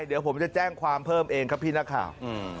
เดี๋ยวผมจะแจ้งความเพิ่มเองครับพี่นักข่าว